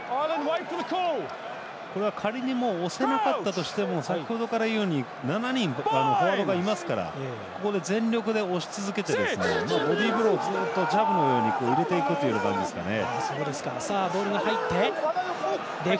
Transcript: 仮に押せなかったとしても先ほどから言うように７人、フォワードがいますから全力で押し続けてボディーブローをずっとジャブのように入れていく感じですね。